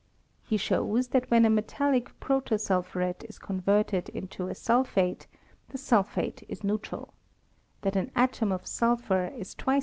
He shows tliat when a metallic prates ulphuret is converted into a sulphate, the sniphate is neutral ; that an atom of sulphur is twice OF THE ATOMIC THEOST.